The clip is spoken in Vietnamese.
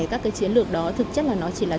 các cái chiến lược đó thực chất là nó chỉ là